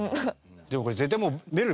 でもこれ絶対もうめるる